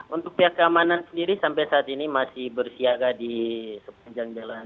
untuk pihak keamanan sendiri sampai saat ini masih bersiaga di sepanjang jalan